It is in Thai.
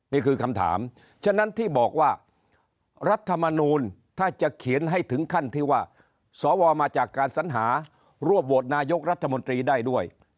นี่คือคำถามฉะนั้นที่บอกว่ารัฐมนูลถ้าจะเขียนให้ถึงขั้นที่ว่าสวมาจากการสัญหารวบโหวตนายกรัฐมนตรีได้ด้วย